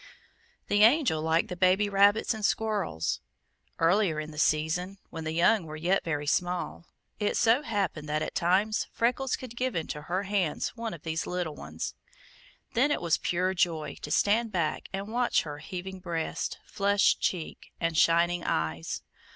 The Angel liked the baby rabbits and squirrels. Earlier in the season, when the young were yet very small, it so happened that at times Freckles could give into her hands one of these little ones. Then it was pure joy to stand back and watch her heaving breast, flushed cheek, and shining eyes.